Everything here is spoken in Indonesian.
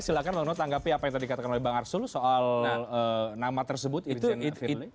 silahkan bang no tanggapi apa yang tadi katakan oleh bang arsul soal nama tersebut irjen firly